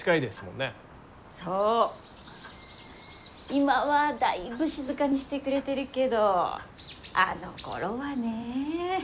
今はだいぶ静かにしてくれてるけどあのころはねぇ。